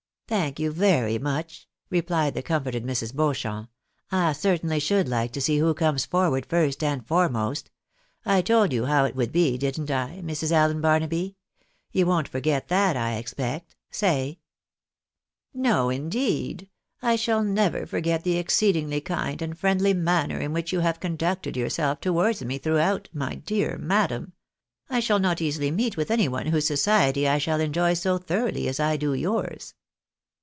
" Thank you very mueh," rephed the comforted Mrs. Beau PATRIOTIC SELF DENIAL. 153 champ. " I certainly should like to see who comes forward first and foremost. I told you how it would be, didn't I, Mrs. Allen Barnaby ? You won't forget that, I expect ?— Say." " No, indeed ! I shall never forget the exceedingly kind and friendly manner in which you have conducted yourself towards me throughout, my dear madam. I shall not easily meet with any one whose society I shall enjoy so thoroughly as I do yours."